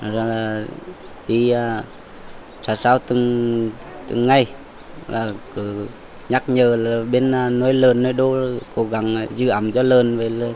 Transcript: rồi đi trả sao từng ngày nhắc nhờ bên nơi lớn nơi đô cố gắng giữ ẩm cho lớn